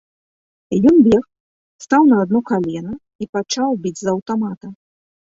Ён бег, стаў на адно калена і пачаў біць з аўтамата.